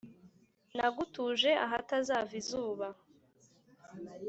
Nagutuje ahatava izuba,